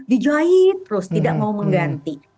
dijahit terus tidak mau mengganti